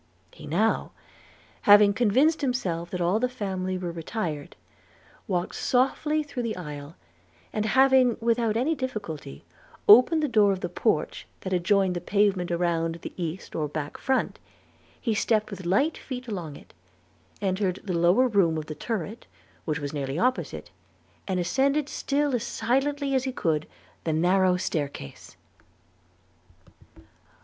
He now, having convinced himself that all the family were retired, walked softly through the aisle; and having without any difficulty opened the door of the porch, that adjoined the pavement around the east or back front, he stepped with light feet along it, entered the lower room of the turret which was nearly opposite, and ascended still as silently as he could the narrow stair case.